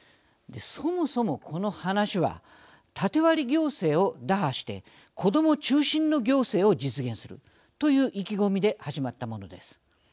そもそもこの話はタテ割り行政を打破して子ども中心の行政を実現するという意気込みで始まったものです。